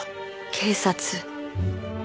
警察。